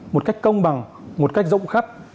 một cách công bằng một cách rộng khắc